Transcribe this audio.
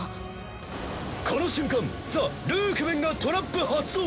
この瞬間ザ・ルークメンがトラップ発動！